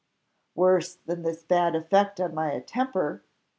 "Worse than this bad effect on my temper!"